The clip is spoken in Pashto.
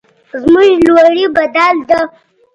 زموږ لوري بدل ده